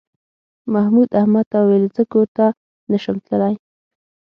محمود احمد ته وویل زه کور ته نه شم تللی.